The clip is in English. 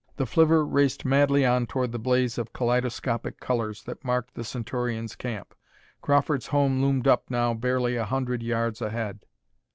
The flivver raced madly on toward the blaze of kaleidoscopic colors that marked the Centaurians' camp. Crawford's home loomed up now barely a hundred yards ahead.